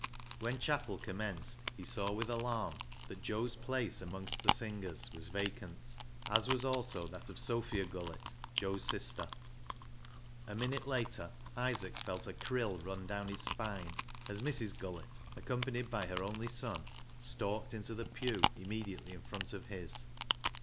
When chapel commenced he saw with alarm that Joe's place amongst the singers was vacant, as was also that of Sophia Gullett, Joe's sister. A minute later, Isaac felt a "crill" run down his spine as Mrs. Gullett, accompanied by her only son, stalked into the pew immediately in front of his.